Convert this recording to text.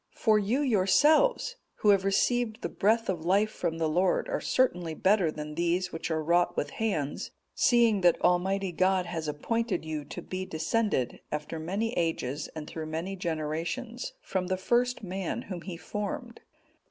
For you yourselves, who have received the breath of life from the Lord, are certainly better than these which are wrought with hands, seeing that Almighty God has appointed you to be descended, after many ages and through many generations, from the first man whom he formed.